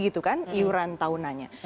gitu kan iuran tahunannya